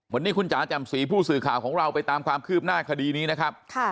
วันนี้คุณจ๋าแจ่มสีผู้สื่อข่าวของเราไปตามความคืบหน้าคดีนี้นะครับ